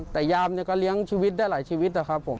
แต่ยามก็เลี้ยงชีวิตได้หลายชีวิตครับครับผม